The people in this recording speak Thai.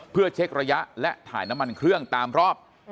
เพื่อเช็กระยะและถ่ายน้ำมันเครื่องตามรอบ